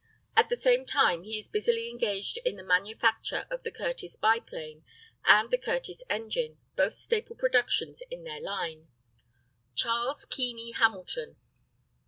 At the same time he is busily engaged in the manufacture of the Curtiss biplane and the Curtiss engine, both staple productions in their line. CHARLES KEENEY HAMILTON.